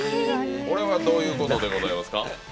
どういうことでございますか。